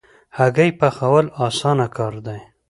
هګۍ پخول اسانه کار دی